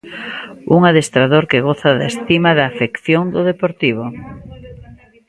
Un adestrador que goza da estima da afección do Deportivo.